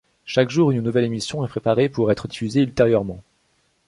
Chaque jour une nouvelle émission est préparée pour être diffusée ultérieurement.